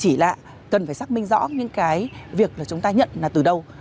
chúng ta cần phải xác minh rõ những cái việc là chúng ta nhận là từ đâu